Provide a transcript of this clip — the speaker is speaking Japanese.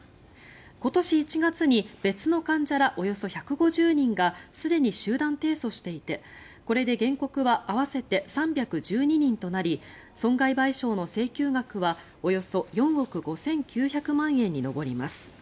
今年１月に別の患者らおよそ１５０人がすでに集団提訴していてこれで原告は合わせて３１２人となり損害賠償の請求額はおよそ４億５９００万円に上ります。